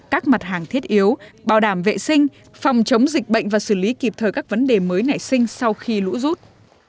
các mặt hàng thiết yếu bảo đảm vệ sinh phòng chống dịch bệnh và xử lý kịp thời các vấn đề mới nảy sinh sau khi lũ rút